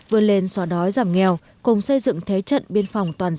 vươn lên xóa đói giảm nghèo